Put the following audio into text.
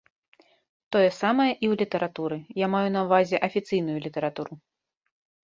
Тое самае і ў літаратуры, я маю на ўвазе афіцыйную літаратуру.